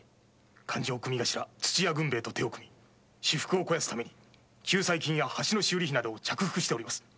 勘定組頭・土屋と手を組み私腹を肥やすために救済金や橋の修理費などを着服しております。